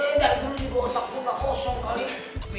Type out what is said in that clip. nih dari dulu otak gue nggak kosong kali